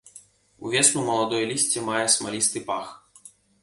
Увесну маладое лісце мае смалісты пах.